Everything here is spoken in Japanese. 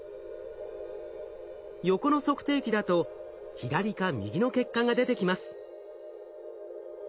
横の測定器だと左か右の結果が出てきます。